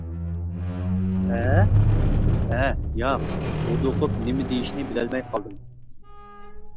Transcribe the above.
-ھە؟ ھە. ياق. ، -ھودۇقۇپ نېمە دېيىشنى بىلەلمەي قالدىم.